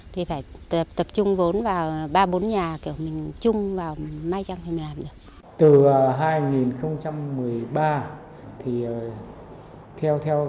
thì phải tập trung vốn vào ba bốn nhà kiểu mình chung vào mai chắc mình làm được